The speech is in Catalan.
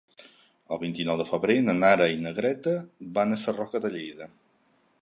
El vint-i-nou de febrer na Nara i na Greta van a Sarroca de Lleida.